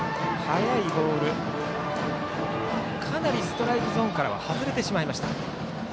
速いボール、かなりストライクゾーンからは外れた。